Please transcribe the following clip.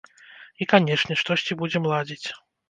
І канешне, штосьці будзем ладзіць.